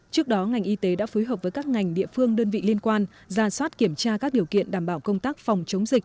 trước đó ngành y tế đã phối hợp với các ngành địa phương đơn vị liên quan ra soát kiểm tra các điều kiện đảm bảo công tác phòng chống dịch